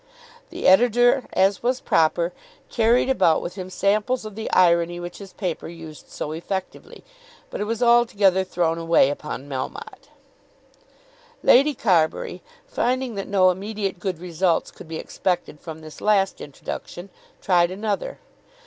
The editor, as was proper, carried about with him samples of the irony which his paper used so effectively, but it was altogether thrown away upon Melmotte. Lady Carbury finding that no immediate good results could be expected from this last introduction, tried another.